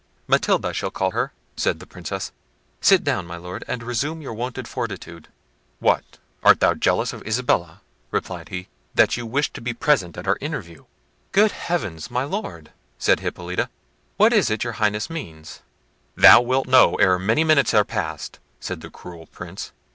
"Matilda shall call her," said the Princess. "Sit down, my Lord, and resume your wonted fortitude." "What, art thou jealous of Isabella?" replied he, "that you wish to be present at our interview!" "Good heavens! my Lord," said Hippolita, "what is it your Highness means?" "Thou wilt know ere many minutes are passed," said the cruel Prince.